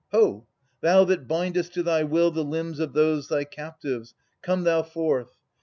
— Ho ! thou that bindest to thy will The limbs of those thy captives, come thou forth